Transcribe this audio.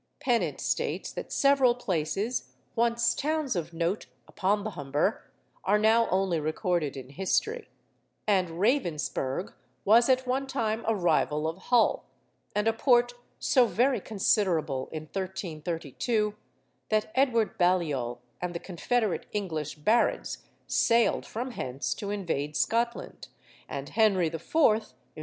Pennant states that 'several places, once towns of note upon the Humber, are now only recorded in history; and Ravensperg was at one time a rival of Hull, and a port so very considerable in 1332, that Edward Baliol and the confederate English barons sailed from hence to invade Scotland; and Henry IV.